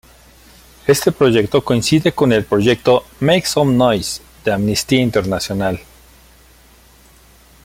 Este proyecto coincide con el proyecto "Make Some Noise" de Amnistía Internacional.